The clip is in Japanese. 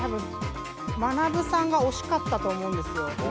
まなぶさんが惜しかったと思うんですよ。